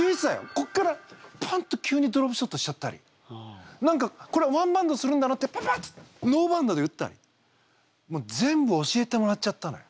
こっからポンッと急にドロップショットしちゃったり何かこれワンバウンドするんだなってパパッてノーバウンドで打ったり全部教えてもらっちゃったのよ。